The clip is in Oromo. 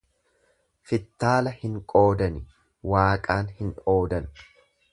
Fittaala hin qoodani waaqaan hin oodan.